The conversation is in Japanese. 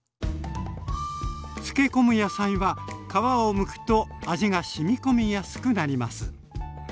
漬け込む野菜は皮をむくと味がしみ込みやすくなります。